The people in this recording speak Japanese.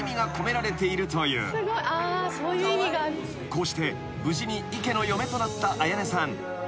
［こうして無事にイ家の嫁となった彩音さん］